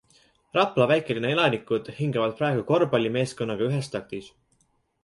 Rapla väikelinna elanikud hingavad praegu korvpallimeeskonnaga ühes taktis.